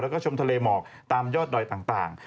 แล้วก็ชมทะเลหมอกตามยอดดอยต่าง